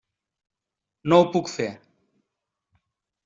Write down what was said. No ho puc fer.